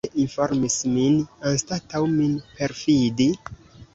Kial ci ne informis min, anstataŭ min perfidi?